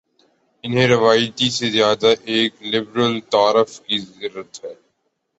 انہیں روایتی سے زیادہ ایک لبرل تعارف کی ضرت ہے۔